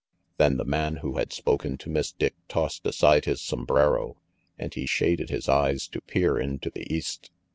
Then the man who had spoken to Miss Dick tossed aside his sombrero, and he shaded his eyes to peer into the east.